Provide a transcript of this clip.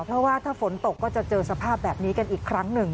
เพราะว่าถ้าฝนตกก็จะเจอสภาพแบบนี้กันอีกครั้งหนึ่ง